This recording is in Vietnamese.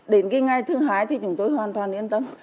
đến cái ngày thứ hai thì chúng tôi hoàn toàn yên tâm